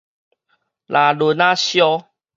拉圇仔燒